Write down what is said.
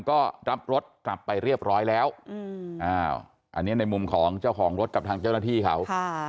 ก็รับรถกลับไปเรียบร้อยแล้วอันนี้ในมุมของเจ้าของรถกับทางเจ้าหน้าที่เขา